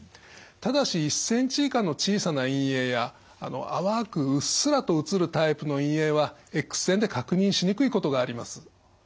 ただし１ｃｍ以下の小さな陰影や淡くうっすらと写るタイプの陰影はエックス線で確認しにくいことがあります。